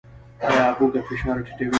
ایا هوږه فشار ټیټوي؟